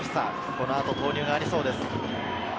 この後、投入がありそうです。